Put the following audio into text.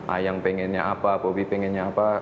ayang pengennya apa bobby pengennya apa